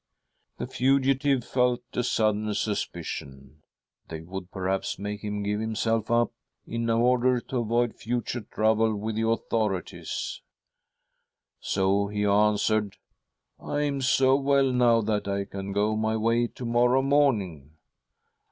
The fugitive felt a sudden suspicion —they would perhaps make him give himself up, in order to avoid future trouble with the authorities ! So he answered :' I am so well now that I can go my way to morrow morning.'